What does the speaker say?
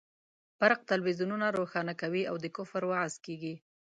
برق تلویزیونونه روښانه کوي او د کفر وعظ کېږي.